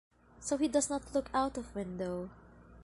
So he does not look out of window.